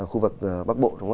khu vực bắc bộ